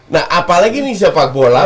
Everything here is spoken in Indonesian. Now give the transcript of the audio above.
nah apalagi nih sepak bola